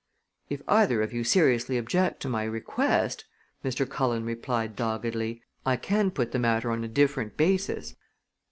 "If either of you seriously object to my request," Mr. Cullen replied doggedly, "I can put the matter on a different basis."